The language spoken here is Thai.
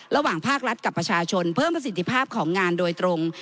ระหว่างภาครัฐกับประชาชนเพิ่มประสิทธิภาพของงานโดยตรง